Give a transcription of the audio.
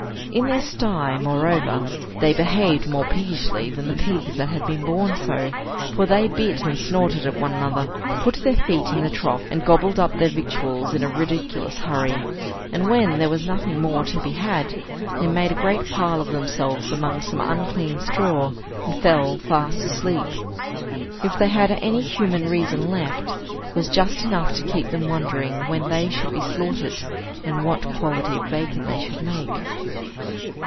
In their sty, moreover, they behaved more piggishly than the pigs that had been born so; for they bit and snorted at one another, put their feet in the trough, and gobbled up their victuals in a ridiculous hurry; and, when there was nothing more to be had, they made a great pile of themselves among some unclean straw, and fell fast asleep. If they had any human reason left, it was just enough to keep them wondering when they should be slaughtered, and what quality of bacon they should make.